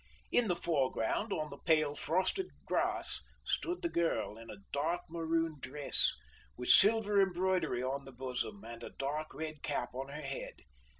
In the foreground, on the pale frosted grass, stood the girl, in a dark maroon dress, with silver embroidery on the bosom, and a dark red cap on her head.